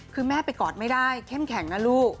คือแม่ไปกอดไม่ได้เข้มแข็งนะลูก